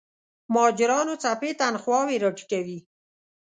مهاجرانو څپې تنخواوې راټیټوي.